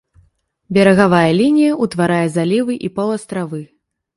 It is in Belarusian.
Берагавая лінія утварае залівы і паўастравы.